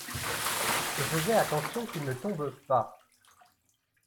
Je faisais attention qu’il ne tombe pas.